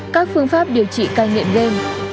các phương pháp điều trị cai nghiện game